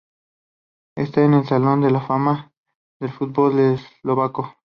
Está en el Salón de la Fama del fútbol eslovaco.